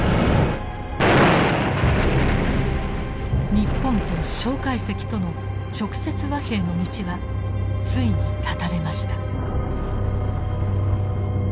日本と介石との直接和平の道はついに絶たれました。